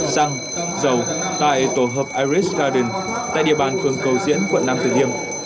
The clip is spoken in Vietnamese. răng dầu tại tổ hợp iris garden tại địa bàn phương cầu diễn quận nam tử liêm